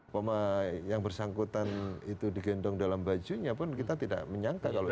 pemain yang bersangkutan itu digendong dalam bajunya pun kita tidak menyangka kalau itu